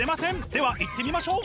ではいってみましょう！